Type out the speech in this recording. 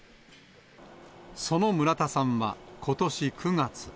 その村田さんはことし９月。